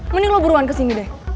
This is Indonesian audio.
mending lo buruan kesini deh